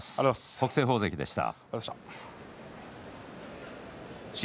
北青鵬関でした。